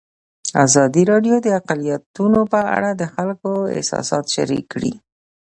ازادي راډیو د اقلیتونه په اړه د خلکو احساسات شریک کړي.